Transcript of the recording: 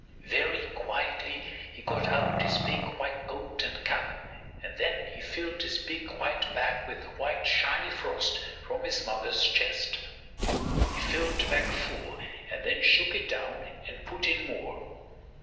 Very quietly he got out his big white coat and cap and then he filled his big white bag with white shiny frost from his mother's chest. He filled the bag full and then shook it down and put in more.